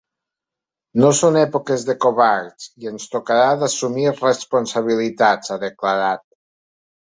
No són èpoques de covards, i ens tocarà d’assumir responsabilitats, ha declarat.